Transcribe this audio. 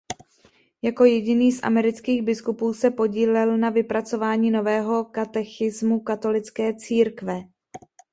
Jako jediný z amerických biskupů se podílel na vypracování nového katechismu katolické církve.